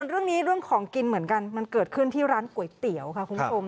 เรื่องนี้เรื่องของกินเหมือนกันมันเกิดขึ้นที่ร้านก๋วยเตี๋ยวค่ะคุณผู้ชม